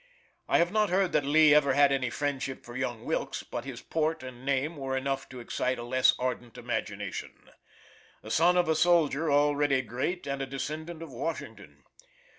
I have not heard that Lee ever had any friendship for young Wilkes, but his port and name were enough to excite a less ardent imagination the son of a soldier already great, and a descendant of Washington.